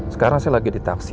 sekarang saya lagi di taksi